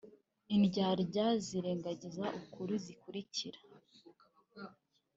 Indyandya zirengagiza ukuri zikuzi